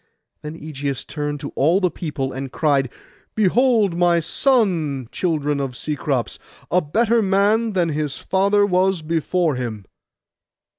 Then Ægeus turned to all the people, and cried, 'Behold my son, children of Cecrops, a better man than his father was before him.